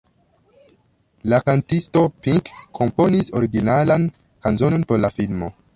La kantisto Pink komponis originalan kanzonon por la filmo.